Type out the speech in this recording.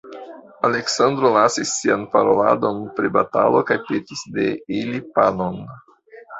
Aleksandro lasis sian paroladon pri batalo kaj petis de ili panon.